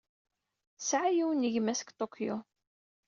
Tesɛa yiwen n gma-s deg Tokyo.